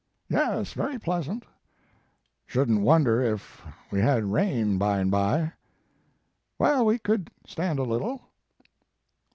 "Yes, very pleasant." 4 Shouldn t wonder if we had rain by and by." "Well, we could stand a little."